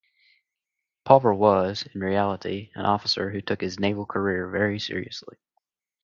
Pulver was, in reality, an officer who took his Naval career very seriously.